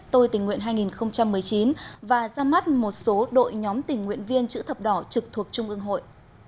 tôi tình nguyện hai nghìn một mươi chín và ra mắt một số đội nhóm tình nguyện viên chữ thập đỏ trực thuộc trung ương hội